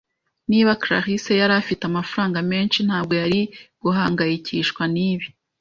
Niba karasira yari afite amafaranga menshi, ntabwo yari guhangayikishwa nibi.